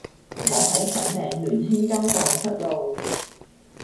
我喺粉嶺聯興街盪失路